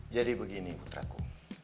jadi begini putraku